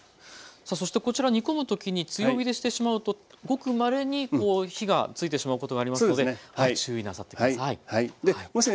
さあそしてこちら煮込む時に強火でしてしまうとごくまれに火がついてしまうことがありますので注意なさって下さい。